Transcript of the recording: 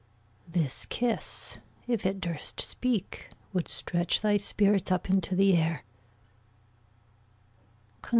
This kiss, if it durst speak, Would stretch thy spirits up into the air.